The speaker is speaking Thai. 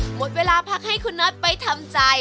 หมดเวลาพักให้คุณน็อตไปทำใจ